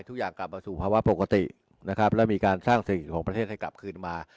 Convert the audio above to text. ทุกอย่างกลับมาสู่ภาวะปกตินะครับและมีการสร้างเศรษฐกิจของประเทศให้กลับคืนมา